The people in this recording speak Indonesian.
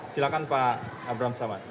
silahkan pak abraham samad